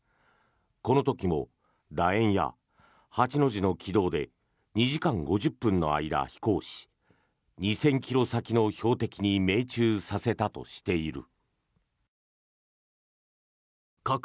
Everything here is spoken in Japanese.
この時も楕円や８の字の軌道で２時間５０分の間、飛行し２０００ｋｍ先の標的に命中させたとしている。